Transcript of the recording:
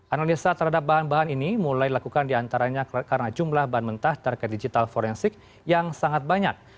analisa terhadap bahan bahan ini mulai dilakukan diantaranya karena jumlah bahan mentah terkait digital forensik yang sangat banyak